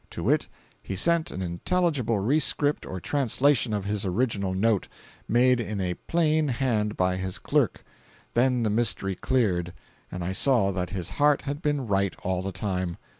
To wit, he sent an intelligible rescript or translation of his original note, made in a plain hand by his clerk. Then the mystery cleared, and I saw that his heart had been right, all the time.